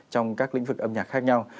trong các lĩnh vực âm nhạc khác nhau